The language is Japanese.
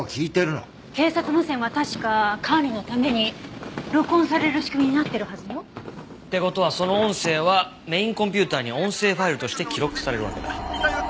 警察無線は確か管理のために録音される仕組みになってるはずよ。って事はその音声はメインコンピューターに音声ファイルとして記録されるわけだ。